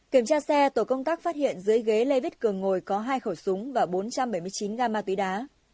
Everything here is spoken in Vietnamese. kiểm tra xe tổ công tác phát hiện dưới ghế lê viết cường ngồi có hai khẩu súng và bốn trăm bảy mươi chín gam ma túy đá